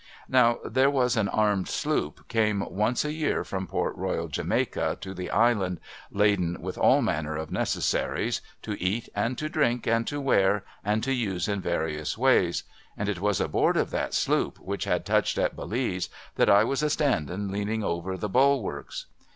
Now, there was an armed sloop came once a year from Port Royal, Jamaica, to the Island, laden with all manner of necessaries, to eat, and to drink, and to wear, and to use in various ways ; and it was aboard of that sloop which had touched at Belize, that I was a standing, leaning over the bulwarks.